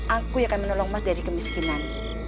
aku yang akan menolong emas dari kemiskinan